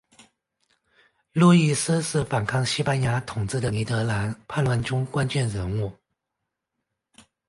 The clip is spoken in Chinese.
路易斯是反抗西班牙统治的尼德兰叛乱中关键人物。